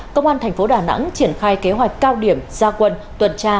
công an thành phố đà nẵng triển khai kế hoạch cao điểm gia quân tuần tra